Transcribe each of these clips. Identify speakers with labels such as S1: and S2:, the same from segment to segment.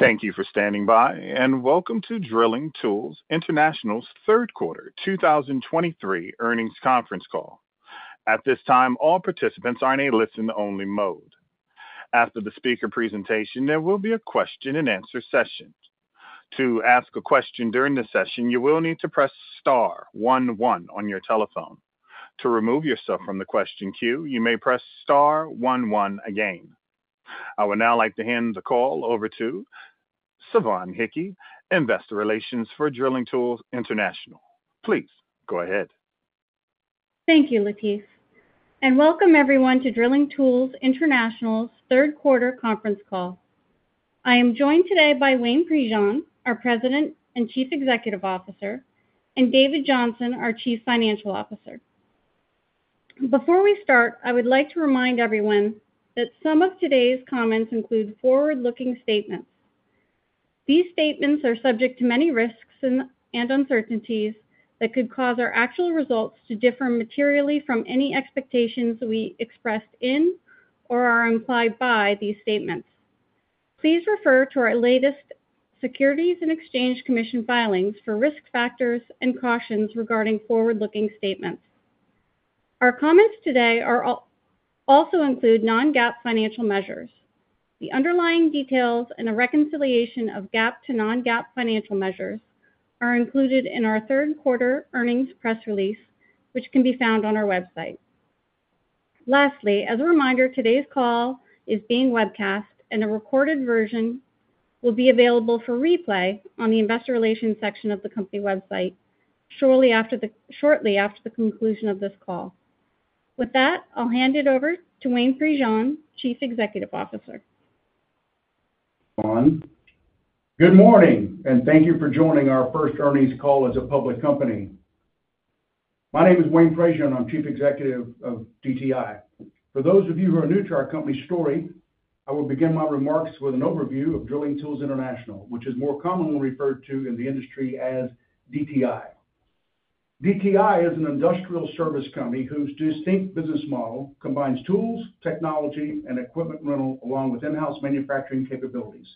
S1: Thank you for standing by, and welcome to Drilling Tools International's Third Quarter 2023 Earnings Conference Call. At this time, all participants are in a listen-only mode. After the speaker presentation, there will be a question-and-answer session. To ask a question during the session, you will need to press star one one on your telephone. To remove yourself from the question queue, you may press star one one again. I would now like to hand the call over to Sioban Hickie, Investor Relations for Drilling Tools International. Please go ahead.
S2: Thank you, Latif, and welcome everyone to Drilling Tools International's third quarter conference call. I am joined today by Wayne Prejean, our President and Chief Executive Officer, and David Johnson, our Chief Financial Officer. Before we start, I would like to remind everyone that some of today's comments include forward-looking statements. These statements are subject to many risks and uncertainties that could cause our actual results to differ materially from any expectations we expressed in or are implied by these statements. Please refer to our latest Securities and Exchange Commission filings for risk factors and cautions regarding forward-looking statements. Our comments today also include non-GAAP financial measures. The underlying details and a reconciliation of GAAP to non-GAAP financial measures are included in our third quarter earnings press release, which can be found on our website. Lastly, as a reminder, today's call is being webcast, and a recorded version will be available for replay on the investor relations section of the company website shortly after the, shortly after the conclusion of this call. With that, I'll hand it over to Wayne Prejean, Chief Executive Officer. ...
S3: Good morning, and thank you for joining our first earnings call as a public company. My name is Wayne Prejean, I'm Chief Executive of DTI. For those of you who are new to our company story, I will begin my remarks with an overview of Drilling Tools International, which is more commonly referred to in the industry as DTI. DTI is an industrial service company whose distinct business model combines tools, technology, and equipment rental, along with in-house manufacturing capabilities.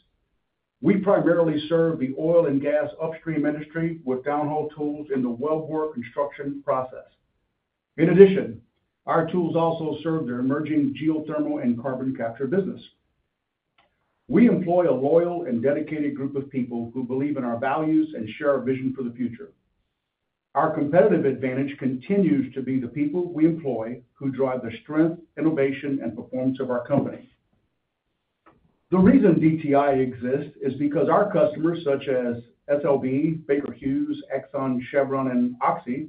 S3: We primarily serve the oil and gas upstream industry with downhole tools in the wellbore construction process. In addition, our tools also serve their emerging geothermal and carbon capture business. We employ a loyal and dedicated group of people who believe in our values and share our vision for the future. Our competitive advantage continues to be the people we employ, who drive the strength, innovation, and performance of our company. The reason DTI exists is because our customers, such as SLB, Baker Hughes, Exxon, Chevron, and Oxy,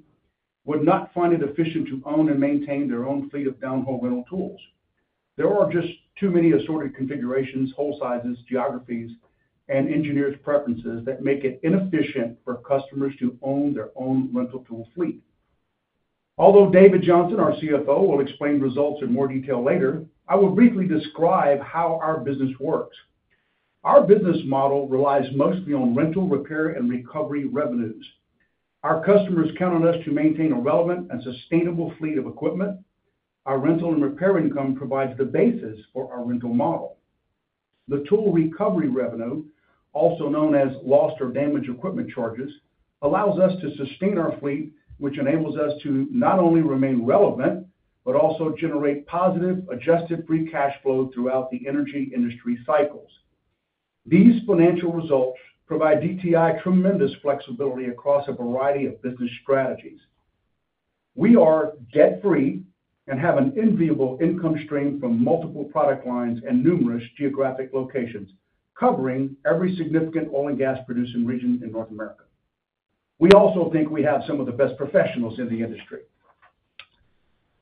S3: would not find it efficient to own and maintain their own fleet of downhole rental tools. There are just too many assorted configurations, hole sizes, geographies, and engineers' preferences that make it inefficient for customers to own their own rental tool fleet. Although David Johnson, our CFO, will explain results in more detail later, I will briefly describe how our business works. Our business model relies mostly on rental, repair, and recovery revenues. Our customers count on us to maintain a relevant and sustainable fleet of equipment. Our rental and repair income provides the basis for our rental model. The tool recovery revenue, also known as lost or damaged equipment charges, allows us to sustain our fleet, which enables us to not only remain relevant, but also generate positive, Adjusted Free Cash Flow throughout the energy industry cycles. These financial results provide DTI tremendous flexibility across a variety of business strategies. We are debt-free and have an enviable income stream from multiple product lines and numerous geographic locations, covering every significant oil and gas-producing region in North America. We also think we have some of the best professionals in the industry.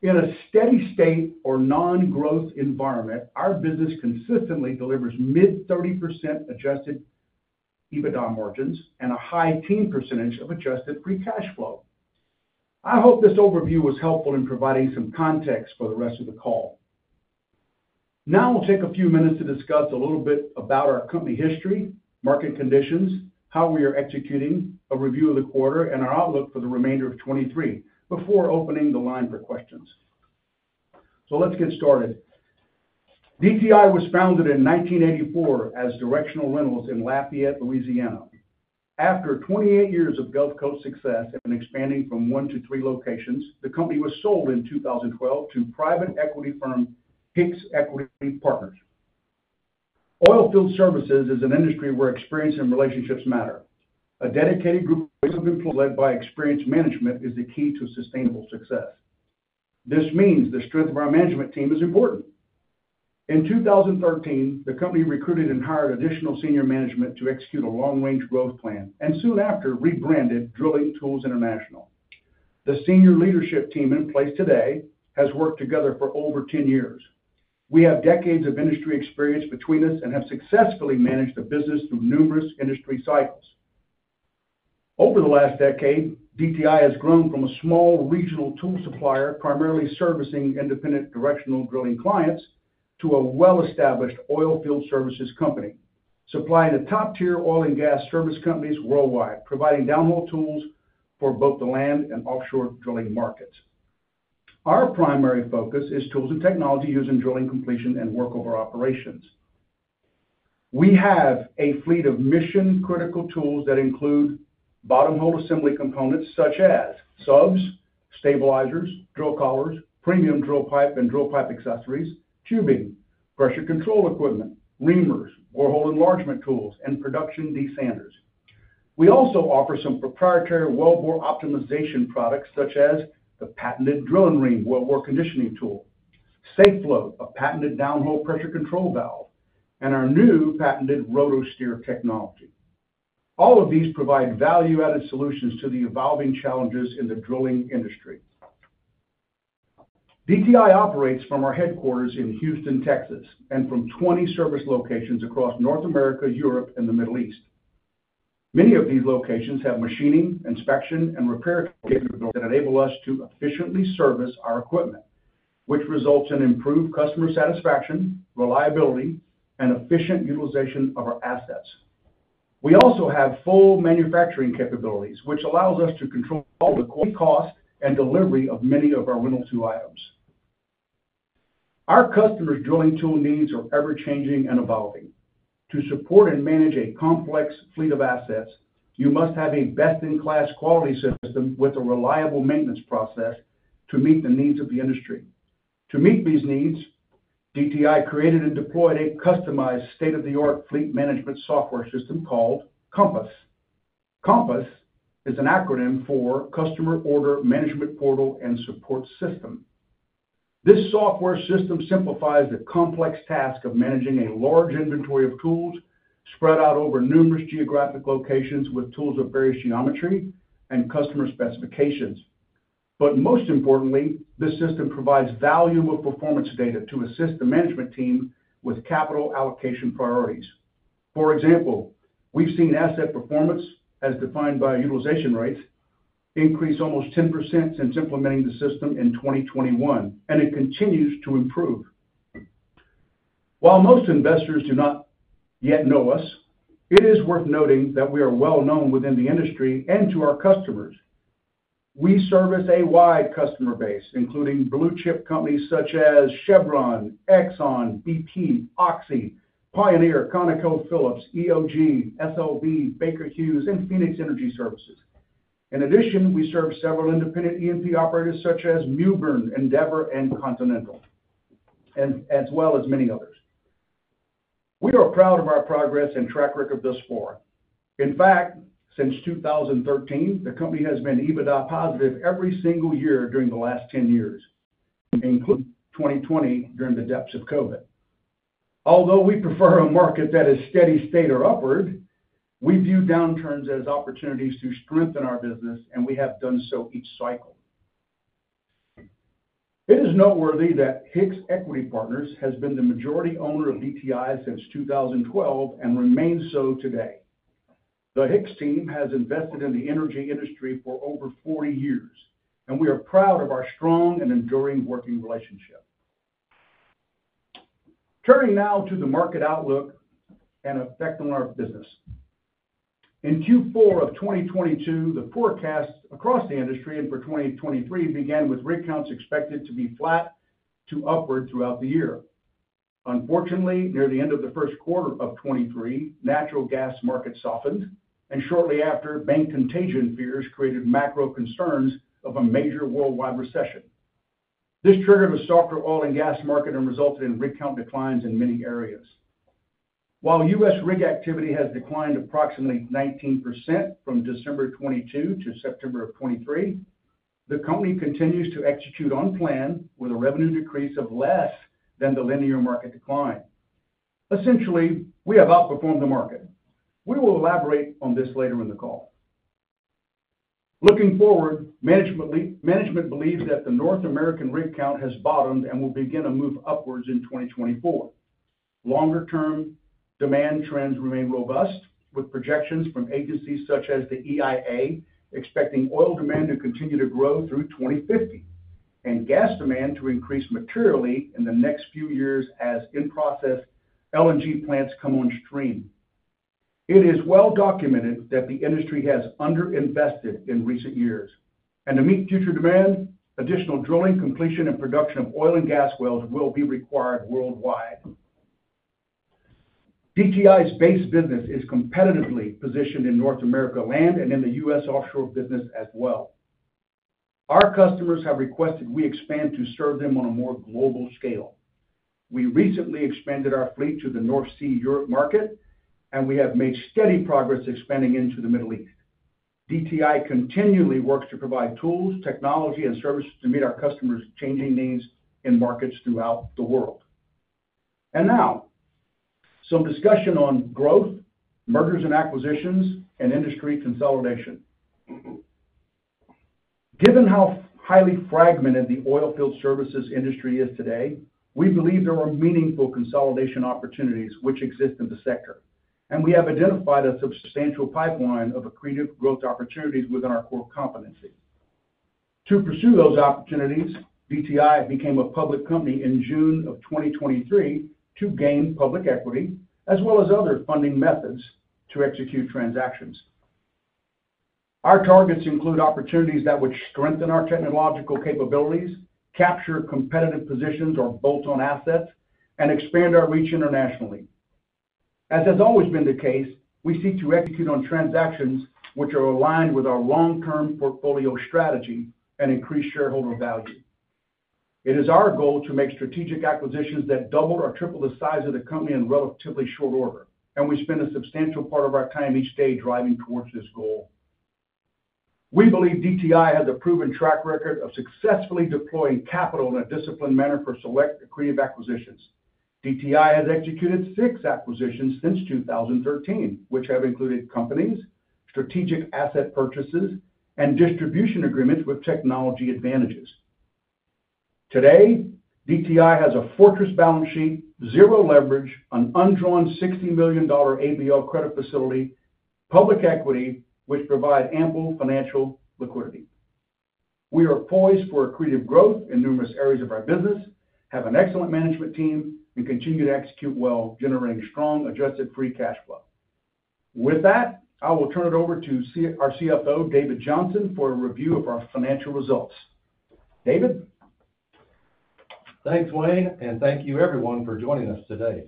S3: In a steady state or non-growth environment, our business consistently delivers mid-30% Adjusted EBITDA margins and a high-teens percentage of Adjusted Free Cash Flow. I hope this overview was helpful in providing some context for the rest of the call. Now, I'll take a few minutes to discuss a little bit about our company history, market conditions, how we are executing, a review of the quarter, and our outlook for the remainder of 2023, before opening the line for questions. So let's get started. DTI was founded in 1984 as Directional Rentals in Lafayette, Louisiana. After 28 years of Gulf Coast success and expanding from one to three locations, the company was sold in 2012 to private equity firm Hicks Equity Partners. Oilfield services is an industry where experience and relationships matter. A dedicated group of employees, led by experienced management, is the key to sustainable success. This means the strength of our management team is important. In 2013, the company recruited and hired additional senior management to execute a long-range growth plan and soon after rebranded Drilling Tools International. The senior leadership team in place today has worked together for over 10 years. We have decades of industry experience between us and have successfully managed the business through numerous industry cycles. Over the last decade, DTI has grown from a small regional tool supplier, primarily servicing independent directional drilling clients, to a well-established oilfield services company, supplying the top-tier oil and gas service companies worldwide, providing downhole tools for both the land and offshore drilling markets. Our primary focus is tools and technology used in drilling, completion, and workover operations. We have a fleet of mission-critical tools that include bottomhole assembly components such as subs, stabilizers, drill collars, premium drill pipe and drill pipe accessories, tubing, pressure control equipment, reamers, borehole enlargement tools, and production desanders. We also offer some proprietary wellbore optimization products, such as the patented Drill-N-Ream wellbore conditioning tool, SafeFlow, a patented downhole pressure control valve, and our new patented RotoSteer technology. All of these provide value-added solutions to the evolving challenges in the drilling industry. DTI operates from our headquarters in Houston, Texas, and from 20 service locations across North America, Europe, and the Middle East. Many of these locations have machining, inspection, and repair capabilities that enable us to efficiently service our equipment, which results in improved customer satisfaction, reliability, and efficient utilization of our assets. We also have full manufacturing capabilities, which allows us to control the cost and delivery of many of our rental tool items. Our customers' drilling tool needs are ever-changing and evolving. To support and manage a complex fleet of assets, you must have a best-in-class quality system with a reliable maintenance process to meet the needs of the industry. To meet these needs, DTI created and deployed a customized state-of-the-art fleet management software system called COMPASS. COMPASS is an acronym for Customer Order Management Portal and Support System. This software system simplifies the complex task of managing a large inventory of tools spread out over numerous geographic locations, with tools of various geometry and customer specifications. But most importantly, this system provides valuable performance data to assist the management team with capital allocation priorities. For example, we've seen asset performance, as defined by utilization rates, increase almost 10% since implementing the system in 2021, and it continues to improve. While most investors do not yet know us, it is worth noting that we are well-known within the industry and to our customers. We service a wide customer base, including blue-chip companies such as Chevron, Exxon, BP, Oxy, Pioneer, ConocoPhillips, EOG, SLB, Baker Hughes, and Phoenix Energy Services. In addition, we serve several independent E&P operators such as Mewbourne, Endeavor, and Continental, and as well as many others. We are proud of our progress and track record thus far. In fact, since 2013, the company has been EBITDA positive every single year during the last 10 years, including 2020 during the depths of COVID. Although we prefer a market that is steady state or upward, we view downturns as opportunities to strengthen our business, and we have done so each cycle. It is noteworthy that Hicks Equity Partners has been the majority owner of DTI since 2012 and remains so today. The Hicks team has invested in the energy industry for over 40 years, and we are proud of our strong and enduring working relationship. Turning now to the market outlook and effect on our business. In Q4 of 2022, the forecasts across the industry and for 2023 began, with rig counts expected to be flat to upward throughout the year. Unfortunately, near the end of the first quarter of 2023, natural gas markets softened, and shortly after, bank contagion fears created macro concerns of a major worldwide recession. This triggered a softer oil and gas market and resulted in rig count declines in many areas. While U.S. rig activity has declined approximately 19% from December of 2022 to September of 2023, the company continues to execute on plan, with a revenue decrease of less than the linear market decline. Essentially, we have outperformed the market. We will elaborate on this later in the call. Looking forward, management believes that the North American rig count has bottomed and will begin to move upwards in 2024. Longer term demand trends remain robust, with projections from agencies such as the EIA expecting oil demand to continue to grow through 2050 and gas demand to increase materially in the next few years as in-process LNG plants come on stream. It is well documented that the industry has underinvested in recent years, and to meet future demand, additional drilling, completion, and production of oil and gas wells will be required worldwide. DTI's base business is competitively positioned in North America Land and in the US offshore business as well. Our customers have requested we expand to serve them on a more global scale. We recently expanded our fleet to the North Sea Europe market, and we have made steady progress expanding into the Middle East. DTI continually works to provide tools, technology, and services to meet our customers' changing needs in markets throughout the world. And now, some discussion on growth, mergers and acquisitions, and industry consolidation. Given how highly fragmented the oilfield services industry is today, we believe there are meaningful consolidation opportunities which exist in the sector, and we have identified a substantial pipeline of accretive growth opportunities within our core competencies. To pursue those opportunities, DTI became a public company in June of 2023 to gain public equity, as well as other funding methods to execute transactions.... Our targets include opportunities that would strengthen our technological capabilities, capture competitive positions or bolt-on assets, and expand our reach internationally. As has always been the case, we seek to execute on transactions which are aligned with our long-term portfolio strategy and increase shareholder value. It is our goal to make strategic acquisitions that double or triple the size of the company in relatively short order, and we spend a substantial part of our time each day driving towards this goal. We believe DTI has a proven track record of successfully deploying capital in a disciplined manner for select accretive acquisitions. DTI has executed six acquisitions since 2013, which have included companies, strategic asset purchases, and distribution agreements with technology advantages. Today, DTI has a fortress balance sheet, zero leverage, an undrawn $60 million ABL credit facility, public equity, which provide ample financial liquidity. We are poised for accretive growth in numerous areas of our business, have an excellent management team, and continue to execute well, generating strong Adjusted Free Cash Flow. With that, I will turn it over to our CFO, David Johnson, for a review of our financial results. David?
S4: Thanks, Wayne, and thank you everyone for joining us today.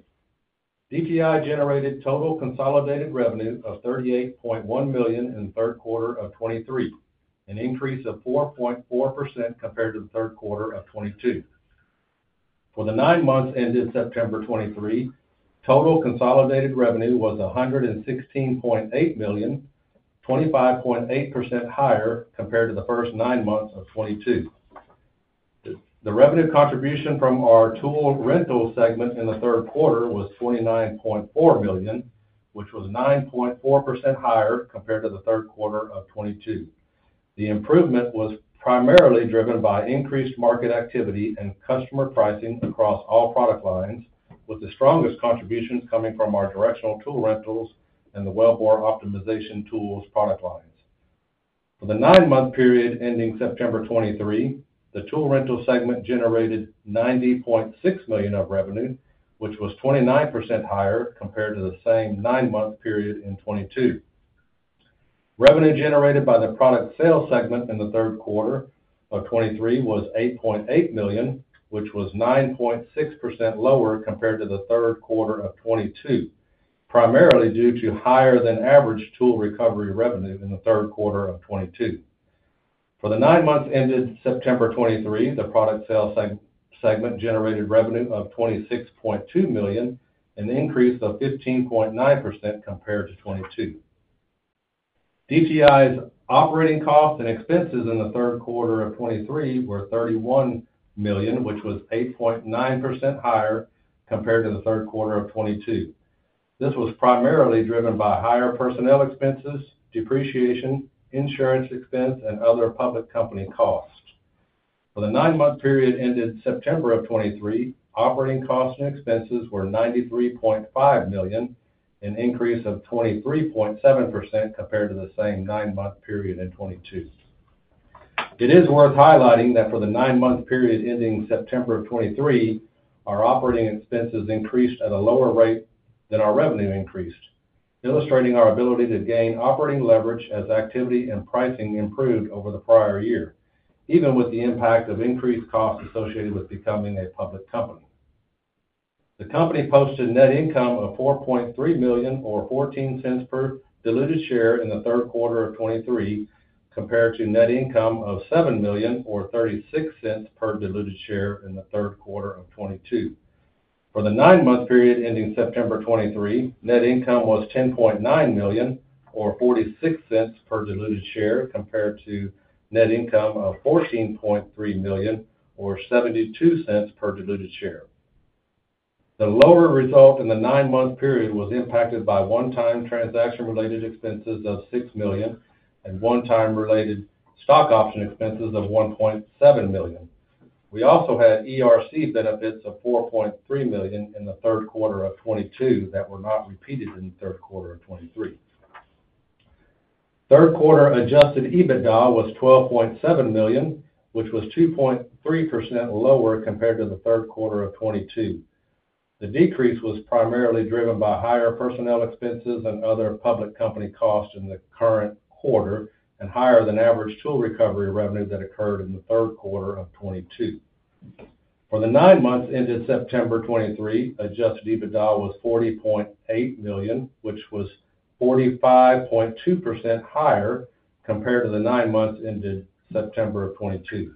S4: DTI generated total consolidated revenue of $38.1 million in the third quarter of 2023, an increase of 4.4% compared to the third quarter of 2022. For the nine months ended September 2023, total consolidated revenue was $116.8 million, 25.8% higher compared to the first nine months of 2022. The revenue contribution from our tool rental segment in the third quarter was $29.4 million, which was 9.4% higher compared to the third quarter of 2022. The improvement was primarily driven by increased market activity and customer pricing across all product lines, with the strongest contributions coming from our directional tool rentals and the wellbore optimization tools product lines. For the nine-month period ending September 2023, the tool rental segment generated $90.6 million of revenue, which was 29% higher compared to the same nine-month period in 2022. Revenue generated by the product sales segment in the third quarter of 2023 was $8.8 million, which was 9.6% lower compared to the third quarter of 2022, primarily due to higher than average tool recovery revenue in the third quarter of 2022. For the nine months ended September 2023, the product sales segment generated revenue of $26.2 million, an increase of 15.9% compared to 2022. DTI's operating costs and expenses in the third quarter of 2023 were $31 million, which was 8.9% higher compared to the third quarter of 2022. This was primarily driven by higher personnel expenses, depreciation, insurance expense, and other public company costs. For the nine-month period ended September of 2023, operating costs and expenses were $93.5 million, an increase of 23.7% compared to the same nine-month period in 2022. It is worth highlighting that for the nine-month period ending September of 2023, our operating expenses increased at a lower rate than our revenue increased, illustrating our ability to gain operating leverage as activity and pricing improved over the prior year, even with the impact of increased costs associated with becoming a public company. The company posted net income of $4.3 million, or $0.14 per diluted share in the third quarter of 2023, compared to net income of $7 million or $0.36 per diluted share in the third quarter of 2022. For the nine-month period ending September 2023, net income was $10.9 million or $0.46 per diluted share, compared to net income of $14.3 million or $0.72 per diluted share. The lower result in the nine-month period was impacted by one-time transaction-related expenses of $6 million and one-time related stock option expenses of $1.7 million. We also had ERC benefits of $4.3 million in the third quarter of 2022 that were not repeated in the third quarter of 2023. Third quarter Adjusted EBITDA was $12.7 million, which was 2.3% lower compared to the third quarter of 2022. The decrease was primarily driven by higher personnel expenses and other public company costs in the current quarter and higher than average tool recovery revenue that occurred in the third quarter of 2022. For the nine months ended September 2023, Adjusted EBITDA was $40.8 million, which was 45.2% higher compared to the nine months ended September 2022.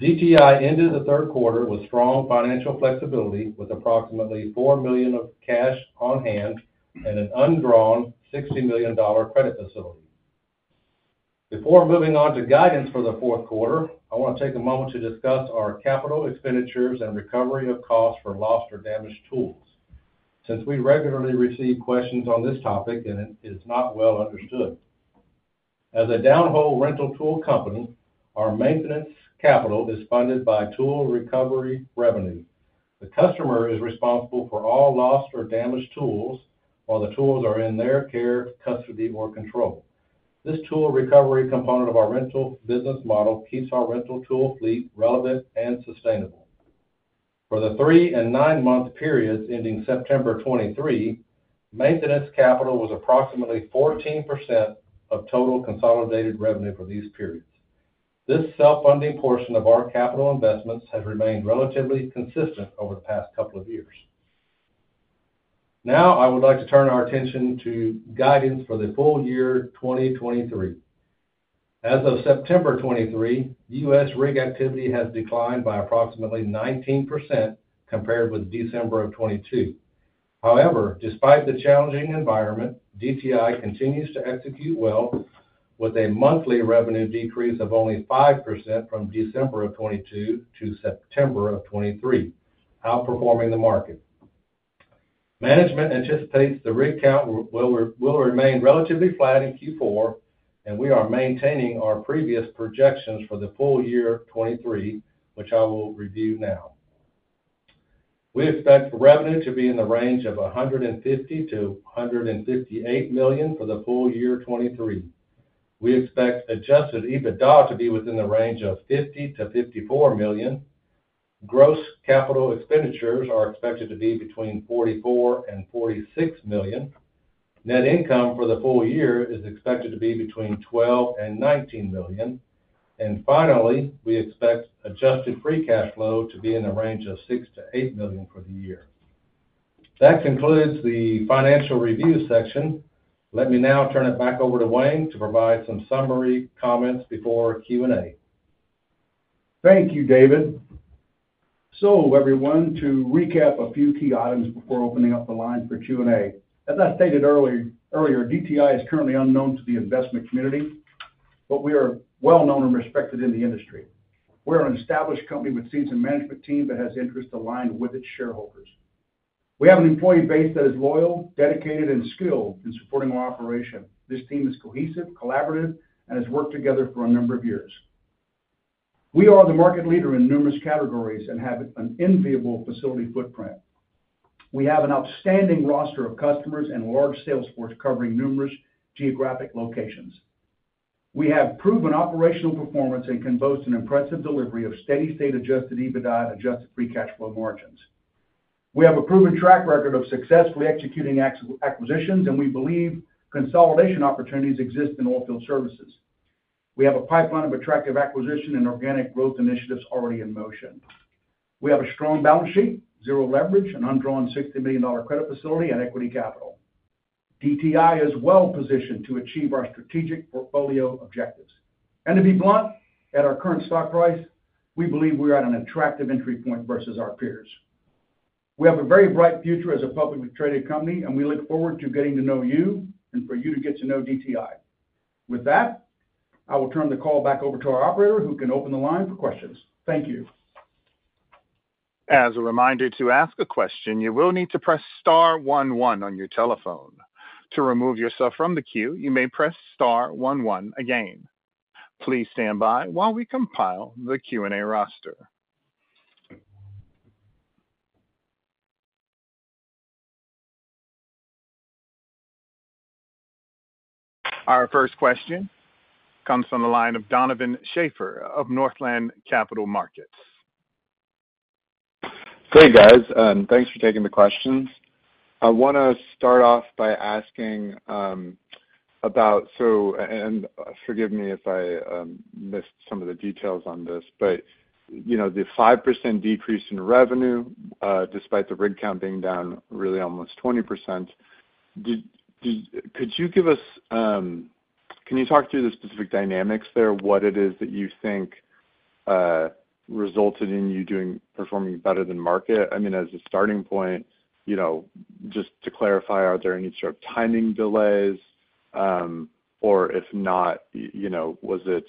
S4: DTI ended the third quarter with strong financial flexibility, with approximately $4 million of cash on hand and an undrawn $60 million credit facility. Before moving on to guidance for the fourth quarter, I want to take a moment to discuss our capital expenditures and recovery of costs for lost or damaged tools, since we regularly receive questions on this topic and it is not well understood. As a downhole rental tool company, our maintenance capital is funded by tool recovery revenue. The customer is responsible for all lost or damaged tools while the tools are in their care, custody, or control. This tool recovery component of our rental business model keeps our rental tool fleet relevant and sustainable.... For the three and nine-month periods ending September 2023, maintenance capital was approximately 14% of total consolidated revenue for these periods. This self-funding portion of our capital investments has remained relatively consistent over the past couple of years. Now, I would like to turn our attention to guidance for the full year 2023. As of September 2023, U.S. rig activity has declined by approximately 19% compared with December of 2022. However, despite the challenging environment, DTI continues to execute well, with a monthly revenue decrease of only 5% from December of 2022 to September of 2023, outperforming the market. Management anticipates the rig count will remain relatively flat in Q4, and we are maintaining our previous projections for the full year 2023, which I will review now. We expect revenue to be in the range of $150 million-$158 million for the full year 2023. We expect Adjusted EBITDA to be within the range of $50 million-$54 million. Gross capital expenditures are expected to be between $44 million-$46 million. Net income for the full year is expected to be between $12 million-$19 million, and finally, we expect Adjusted Free Cash Flow to be in the range of $6 million-$8 million for the year. That concludes the financial review section. Let me now turn it back over to Wayne to provide some summary comments before Q and A.
S3: Thank you, David. So everyone, to recap a few key items before opening up the line for Q and A. As I stated earlier, DTI is currently unknown to the investment community, but we are well known and respected in the industry. We are an established company with seasoned management team that has interests aligned with its shareholders. We have an employee base that is loyal, dedicated, and skilled in supporting our operation. This team is cohesive, collaborative, and has worked together for a number of years. We are the market leader in numerous categories and have an enviable facility footprint. We have an outstanding roster of customers and large sales force covering numerous geographic locations. We have proven operational performance and can boast an impressive delivery of steady-state Adjusted EBITDA and Adjusted Free Cash Flow margins. We have a proven track record of successfully executing acquisitions, and we believe consolidation opportunities exist in oilfield services. We have a pipeline of attractive acquisition and organic growth initiatives already in motion. We have a strong balance sheet, zero leverage, an undrawn $60 million credit facility, and equity capital. DTI is well positioned to achieve our strategic portfolio objectives. And to be blunt, at our current stock price, we believe we're at an attractive entry point versus our peers. We have a very bright future as a publicly traded company, and we look forward to getting to know you and for you to get to know DTI. With that, I will turn the call back over to our operator, who can open the line for questions. Thank you.
S1: As a reminder, to ask a question, you will need to press star one one on your telephone. To remove yourself from the queue, you may press star one one again. Please stand by while we compile the Q and A roster. Our first question comes from the line of Donovan Schafer of Northland Capital Markets.
S5: Hey, guys, thanks for taking the questions. I wanna start off by asking about—so and, and forgive me if I missed some of the details on this, but, you know, the 5% decrease in revenue, despite the rig count being down really almost 20%, did—could you give us, can you talk through the specific dynamics there, what it is that you think resulted in you doing—performing better than market? I mean, as a starting point, you know, just to clarify, are there any sort of timing delays, or if not, you know, was it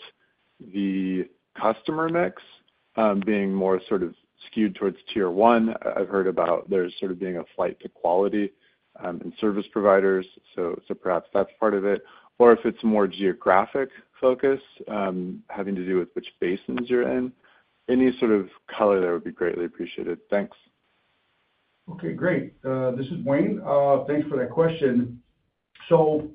S5: the customer mix being more sort of skewed towards tier one? I've heard about there sort of being a flight to quality and service providers, so, so perhaps that's part of it. Or if it's more geographic focus, having to do with which basins you're in. Any sort of color there would be greatly appreciated. Thanks.
S3: Okay, great. This is Wayne. Thanks for that question. So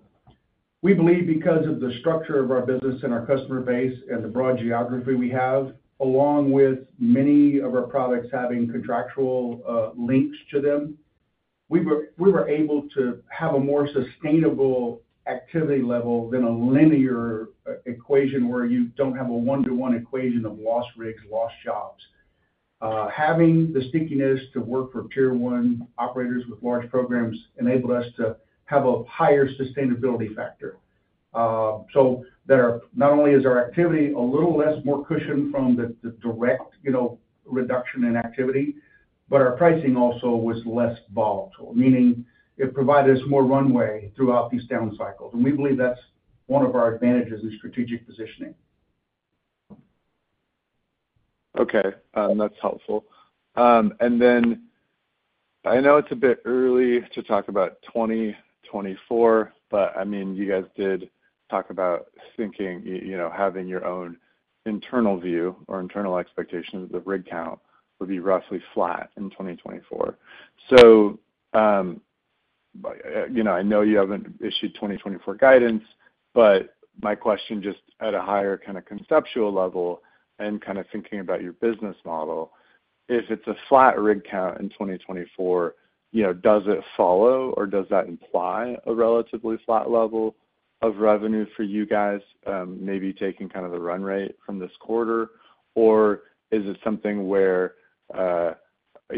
S3: we believe because of the structure of our business and our customer base and the broad geography we have, along with many of our products having contractual links to them, we were able to have a more sustainable activity level than a linear equation, where you don't have a one-to-one equation of lost rigs, lost jobs. Having the stickiness to work for tier one operators with large programs enabled us to have a higher sustainability factor. So there are not only is our activity a little less, more cushioned from the direct, you know, reduction in activity, but our pricing also was less volatile, meaning it provided us more runway throughout these down cycles, and we believe that's one of our advantages in strategic positioning.
S5: Okay, that's helpful. And then I know it's a bit early to talk about 2024, but, I mean, you guys did talk about thinking, you know, having your own internal view or internal expectations of the rig count would be roughly flat in 2024. So, But, you know, I know you haven't issued 2024 guidance, but my question, just at a higher kind of conceptual level and kind of thinking about your business model, if it's a flat rig count in 2024, you know, does it follow, or does that imply a relatively flat level of revenue for you guys, maybe taking kind of the run rate from this quarter? Or is it something where, you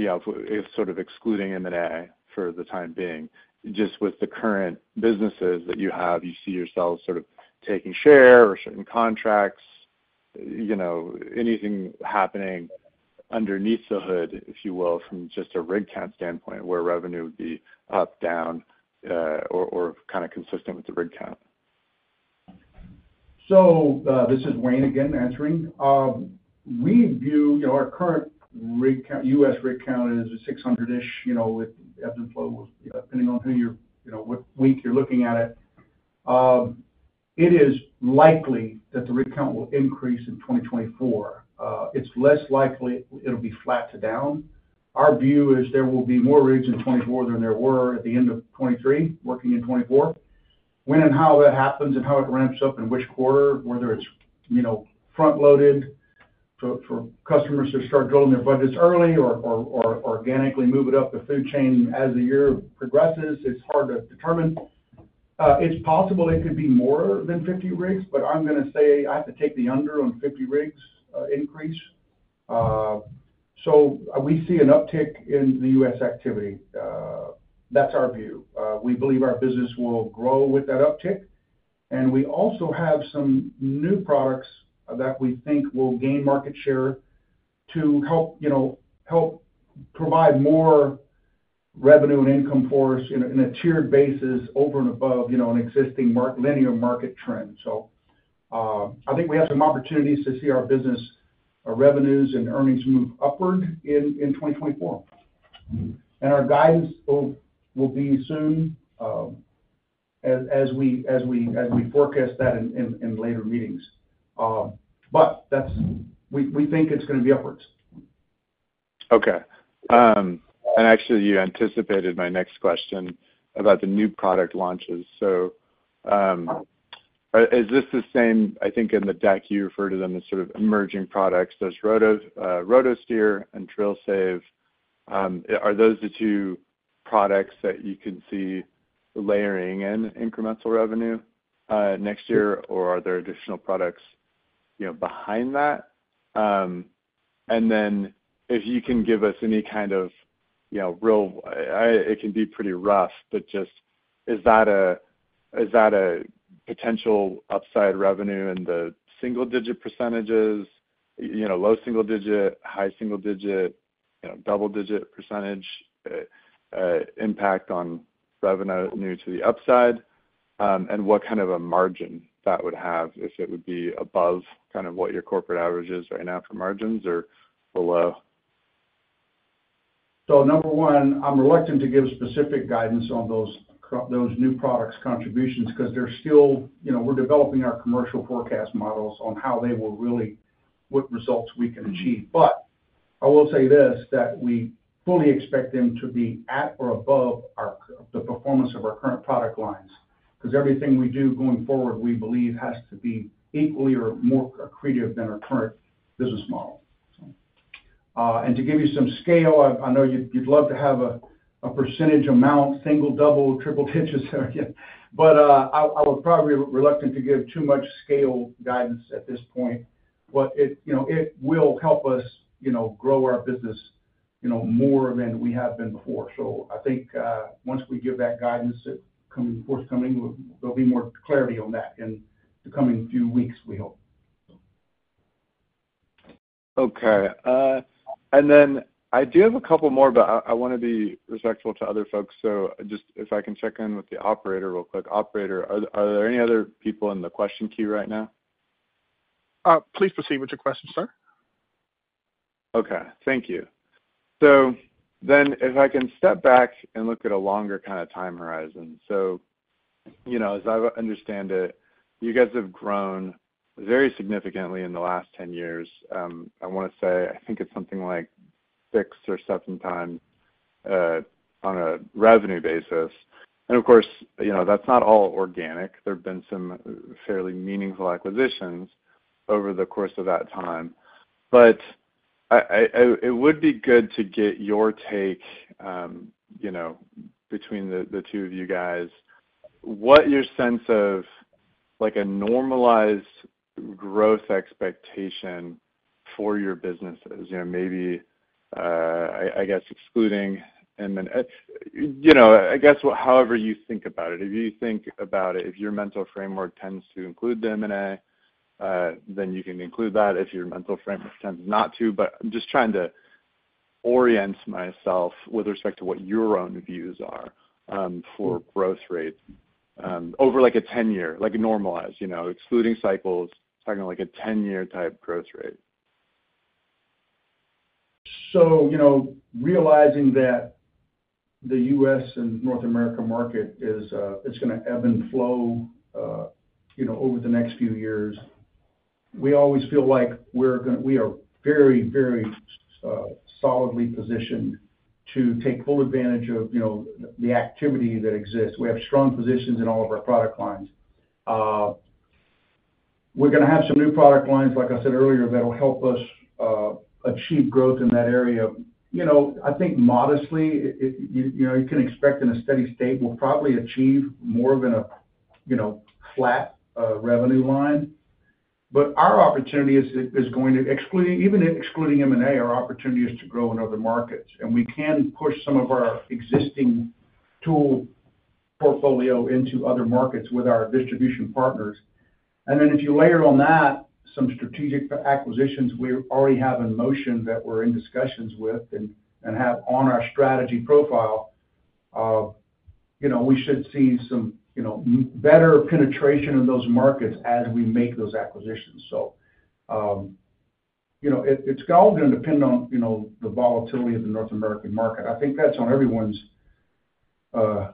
S5: know, if sort of excluding M&A for the time being, just with the current businesses that you have, you see yourself sort of taking share or certain contracts, you know, anything happening underneath the hood, if you will, from just a rig count standpoint, where revenue would be up, down, or kind of consistent with the rig count?
S3: So, this is Wayne again, answering. We view, you know, our current rig count—U.S. rig count as a 600-ish, you know, with ebb and flow, depending on who you're, you know, what week you're looking at it. It is likely that the rig count will increase in 2024. It's less likely it'll be flat to down. Our view is there will be more rigs in 2024 than there were at the end of 2023, working in 2024. When and how that happens and how it ramps up, in which quarter, whether it's, you know, front-loaded for customers to start building their budgets early or organically move it up the food chain as the year progresses, it's hard to determine. It's possible it could be more than 50 rigs, but I'm gonna say I have to take the under on 50 rigs increase. So we see an uptick in the U.S. activity. That's our view. We believe our business will grow with that uptick, and we also have some new products that we think will gain market share to help, you know, help provide more revenue and income for us in a tiered basis over and above, you know, an existing linear market trend. So I think we have some opportunities to see our business, our revenues and earnings move upward in 2024. And our guidance will be soon, as we forecast that in later meetings. But that's. We think it's gonna be upwards.
S5: Okay. And actually, you anticipated my next question about the new product launches. So, is this the same-- I think in the deck, you refer to them as sort of emerging products, those RotoSteer and DrillSave. Are those the two products that you can see layering in incremental revenue next year, or are there additional products, you know, behind that? And then if you can give us any kind of, you know, real... It can be pretty rough, but just, is that a potential upside revenue in the single-digit percentages? You know, low single-digit, high single-digit, you know, double-digit percentage impact on revenue new to the upside, and what kind of a margin that would have if it would be above kind of what your corporate average is right now for margins or below?
S3: So number one, I'm reluctant to give specific guidance on those new products contributions, because they're still, you know, we're developing our commercial forecast models on how they will what results we can achieve. But I will say this, that we fully expect them to be at or above our, the performance of our current product lines, because everything we do going forward, we believe, has to be equally or more accretive than our current business model. And to give you some scale, I know you'd love to have a percentage amount, single, double, triple digits again, but I would probably be reluctant to give too much scale guidance at this point. But it, you know, it will help us, you know, grow our business, you know, more than we have been before. I think, once we give that guidance forthcoming, there'll be more clarity on that in the coming few weeks, we hope.
S5: Okay. And then I do have a couple more, but I wanna be respectful to other folks. So just if I can check in with the operator real quick. Operator, are there any other people in the question queue right now?
S3: Please proceed with your question, sir.
S5: Okay, thank you. If I can step back and look at a longer kind of time horizon. You know, as I understand it, you guys have grown very significantly in the last 10 years. I wanna say, I think it's something like six or times times on a revenue basis. And of course, you know, that's not all organic. There have been some fairly meaningful acquisitions over the course of that time. But it would be good to get your take, you know, between the two of you guys, what your sense of, like, a normalized growth expectation for your business is? You know, maybe, I guess excluding M&-- You know, I guess, however you think about it. If you think about it, if your mental framework tends to include the M&A, then you can include that, if your mental framework tends not to. But I'm just trying to orient myself with respect to what your own views are, for growth rates, over, like, a 10-year, like, normalized, you know, excluding cycles, talking about, like, a 10-year type growth rate.
S3: So, you know, realizing that the U.S. and North America market is, it's gonna ebb and flow, you know, over the next few years... we always feel like we're gonna—we are very, very, solidly positioned to take full advantage of, you know, the activity that exists. We have strong positions in all of our product lines. We're gonna have some new product lines, like I said earlier, that'll help us, achieve growth in that area. You know, I think modestly, it, you, you know, you can expect in a steady state, we'll probably achieve more of in a, you know, flat, revenue line. But our opportunity is, is going to exclude—even excluding M&A, our opportunity is to grow in other markets, and we can push some of our existing tool portfolio into other markets with our distribution partners. And then if you layer on that, some strategic acquisitions we already have in motion that we're in discussions with and have on our strategy profile, you know, we should see some, you know, better penetration in those markets as we make those acquisitions. So, you know, it, it's all gonna depend on, you know, the volatility of the North American market. I think that's on everyone's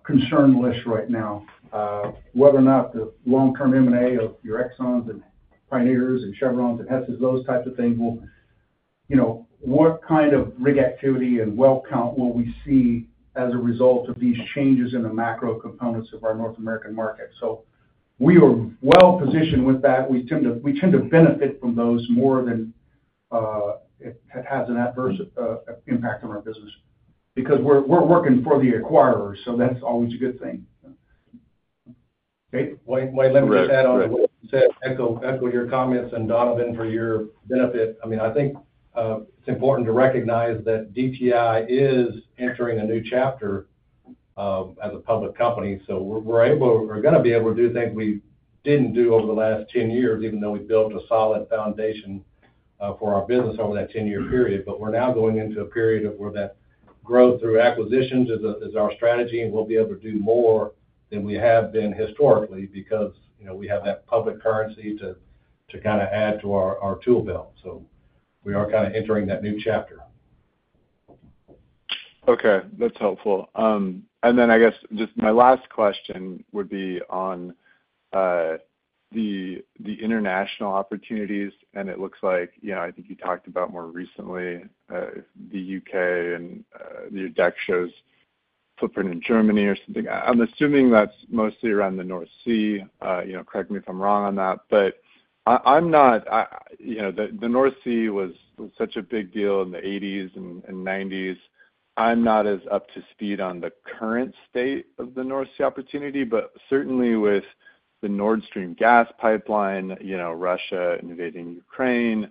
S3: concern list right now, whether or not the long-term M&A of your Exxons and Pioneers and Chevrons and Hesses, those types of things, will, you know, what kind of rig activity and well count will we see as a result of these changes in the macro components of our North American market? So we are well positioned with that. We tend to, we tend to benefit from those more than it has an adverse impact on our business, because we're, we're working for the acquirers, so that's always a good thing.
S4: Great. Wayne, Wayne, let me just add on, echo, echo your comments, and Donovan, for your benefit. I mean, I think, it's important to recognize that DTI is entering a new chapter, as a public company. So we're, we're able—we're gonna be able to do things we didn't do over the last 10 years, even though we built a solid foundation, for our business over that 10-year period. But we're now going into a period of where that growth through acquisitions is our, is our strategy, and we'll be able to do more than we have been historically because, you know, we have that public currency to, to kinda add to our, our tool belt. So we are kinda entering that new chapter.
S5: Okay, that's helpful. And then I guess, just my last question would be on the international opportunities, and it looks like, you know, I think you talked about more recently, the U.K. and, your deck shows footprint in Germany or something. I'm assuming that's mostly around the North Sea. Correct me if I'm wrong on that, but I'm not. You know, the North Sea was such a big deal in the eighties and nineties. I'm not as up to speed on the current state of the North Sea opportunity, but certainly with the Nord Stream gas pipeline, you know, Russia invading Ukraine,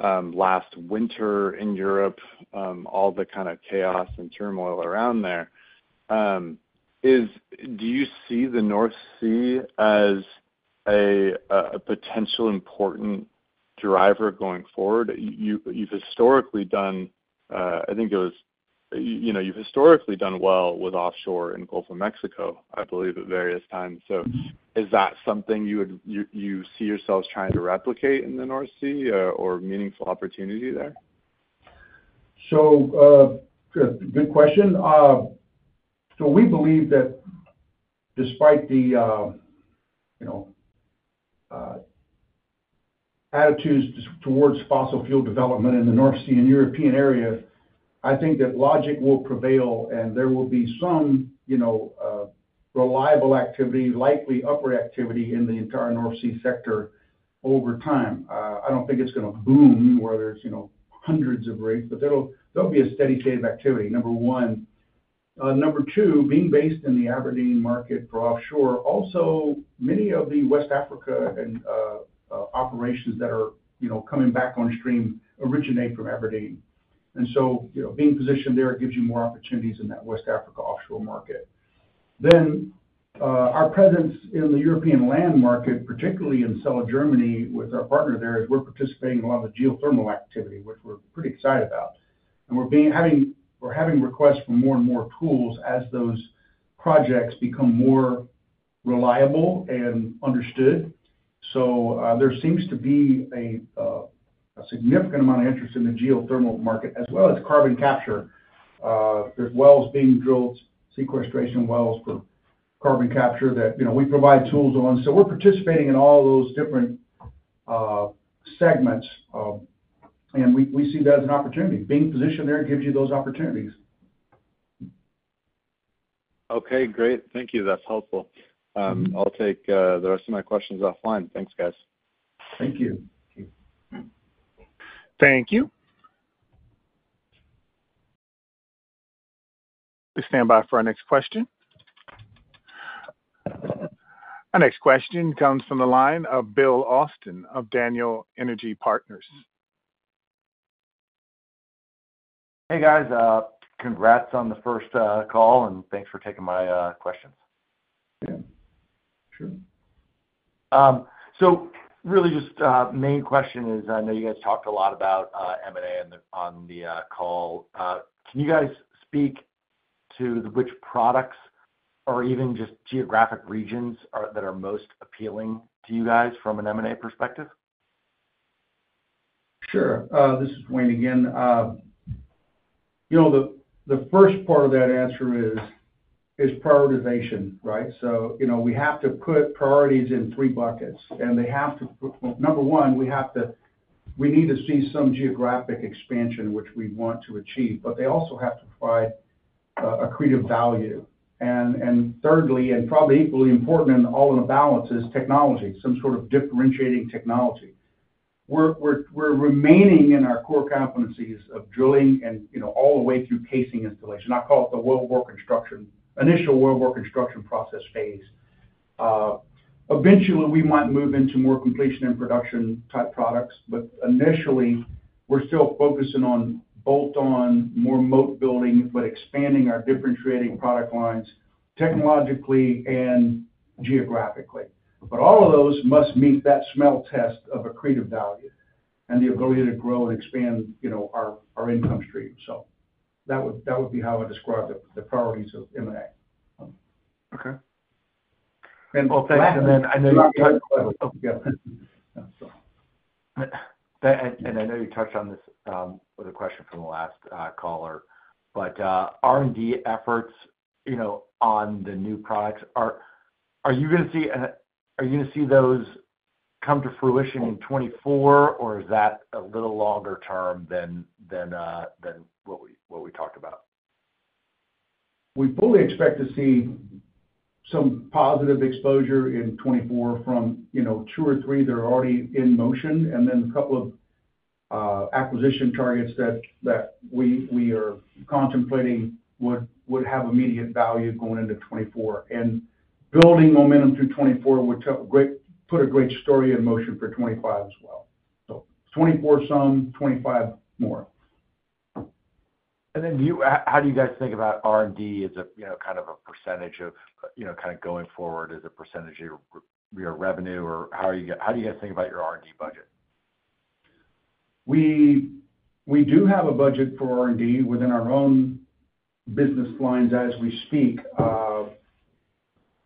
S5: last winter in Europe, all the kinda chaos and turmoil around there, do you see the North Sea as a potential important driver going forward? You, you've historically done, I think it was, you know, you've historically done well with offshore in Gulf of Mexico, I believe, at various times. So is that something you would, you, you see yourselves trying to replicate in the North Sea, or meaningful opportunity there?
S3: So, good question. So we believe that despite the, you know, attitudes towards fossil fuel development in the North Sea and European area, I think that logic will prevail, and there will be some, you know, reliable activity, likely upward activity in the entire North Sea sector over time. I don't think it's gonna boom, where there's, you know, hundreds of rigs, but there'll be a steady state of activity, number one. Number two, being based in the Aberdeen market for offshore, also many of the West Africa and operations that are, you know, coming back on stream originate from Aberdeen. And so, you know, being positioned there gives you more opportunities in that West Africa offshore market. Then, our presence in the European land market, particularly in the south of Germany, with our partner there, is we're participating in a lot of the geothermal activity, which we're pretty excited about. And we're having requests for more and more tools as those projects become more reliable and understood. So, there seems to be a significant amount of interest in the geothermal market, as well as carbon capture. There's wells being drilled, sequestration wells for carbon capture that, you know, we provide tools on. So we're participating in all those different segments, and we see that as an opportunity. Being positioned there gives you those opportunities.
S5: Okay, great. Thank you. That's helpful. I'll take the rest of my questions offline. Thanks, guys.
S3: Thank you.
S4: Thank you.
S1: Thank you. Please stand by for our next question. Our next question comes from the line of Bill Austin of Daniel Energy Partners.
S6: Hey, guys, congrats on the first call, and thanks for taking my questions.
S3: Yeah, sure.
S6: So really just, main question is, I know you guys talked a lot about, M&A on the call. Can you guys speak to which products or even just geographic regions that are most appealing to you guys from an M&A perspective?...
S3: Sure. This is Wayne again. You know, the first part of that answer is prioritization, right? So, you know, we have to put priorities in three buckets, and they have to, number one, we have to, we need to see some geographic expansion, which we want to achieve, but they also have to provide accretive value. And thirdly, and probably equally important in all of the balance, is technology, some sort of differentiating technology. We're remaining in our core competencies of drilling and, you know, all the way through casing installation. I call it the wellbore construction, initial wellbore construction process phase. Eventually, we might move into more completion and production-type products, but initially, we're still focusing on bolt-on, more moat building, but expanding our differentiating product lines technologically and geographically. But all of those must meet that smell test of accretive value and the ability to grow and expand, you know, our, our income stream. So that would, that would be how I describe the, the priorities of M&A.
S6: Okay. Well, thanks, and then I know you touched on this with a question from the last caller, but R&D efforts, you know, on the new products, are you going to see those come to fruition in 2024, or is that a little longer term than what we talked about?
S3: We fully expect to see some positive exposure in 2024 from, you know, two or three that are already in motion, and then a couple of acquisition targets that we are contemplating would have immediate value going into 2024. And building momentum through 2024, which have put a great story in motion for 2025 as well. So 2024, some, 2025, more.
S6: And then, how do you guys think about R&D as a, you know, kind of a percentage of, you know, kind of going forward as a percentage of your revenue, or how do you guys think about your R&D budget?
S3: We, we do have a budget for R&D within our own business lines as we speak.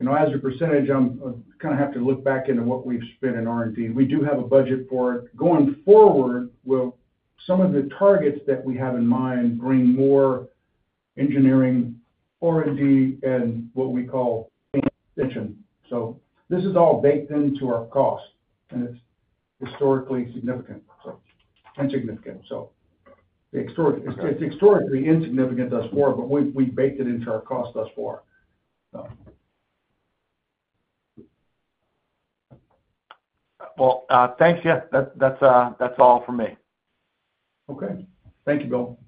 S3: You know, as a percentage, I'm, I kind of have to look back into what we've spent in R&D. We do have a budget for it. Going forward, well, some of the targets that we have in mind bring more engineering, R&D, and what we call extension. So this is all baked into our cost, and it's historically significant, so insignificant. So it's historically insignificant thus far, but we, we baked it into our cost thus far, so.
S6: Well, thank you. That's all from me.
S3: Okay. Thank you, Bill.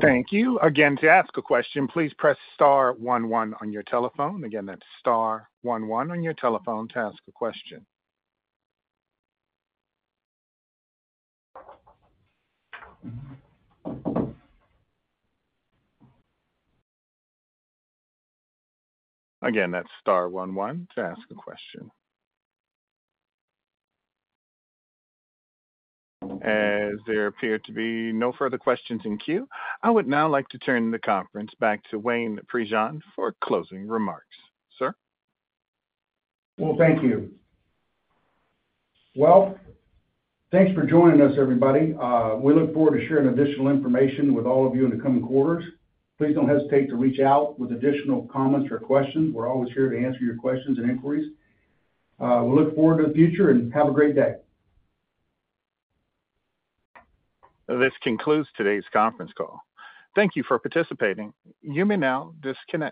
S1: Thank you. Again, to ask a question, please press star one one on your telephone. Again, that's star one one on your telephone to ask a question. Again, that's star one one to ask a question. As there appear to be no further questions in queue, I would now like to turn the conference back to Wayne Prejean for closing remarks. Sir?
S3: Well, thank you. Well, thanks for joining us, everybody. We look forward to sharing additional information with all of you in the coming quarters. Please don't hesitate to reach out with additional comments or questions. We're always here to answer your questions and inquiries. We look forward to the future, and have a great day.
S1: This concludes today's conference call. Thank you for participating. You may now disconnect.